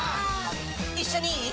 一緒にいい？